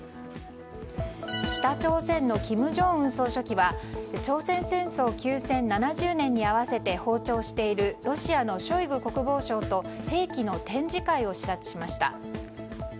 北朝鮮の金正恩総書記は朝鮮戦争休戦７０年に合わせて訪朝しているロシアのショイグ国防相と兵器の展示会を視察しました。